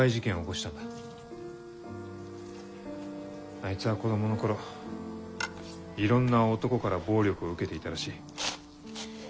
あいつは子供の頃いろんな男から暴力を受けていたらしい。